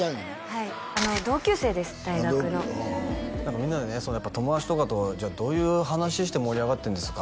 はい同級生です大学のみんなでねやっぱ友達とかとじゃあどういう話して盛り上がってんですか？